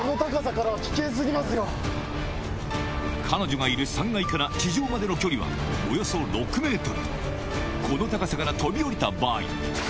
彼女がいる３階から地上までの距離はおよそ６ｍこの高さから飛び降りた場合うわ！